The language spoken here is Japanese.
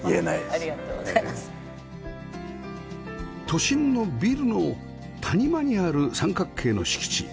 都心のビルの谷間にある三角形の敷地